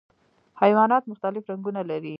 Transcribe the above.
حیوانات مختلف رنګونه لري.